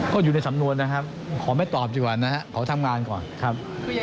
ก็อยู่ในสำนวนนะครับขอไม่ตอบดีกว่านะครับขอทำงานก่อนครับ